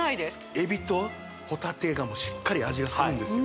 エビとホタテがもうしっかり味がするんですよ